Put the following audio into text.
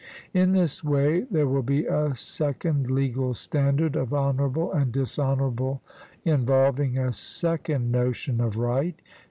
In this way there will be a second legal standard of honourable and dishonourable, involving a second notion of right.